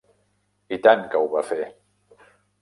I tant que ho va fer.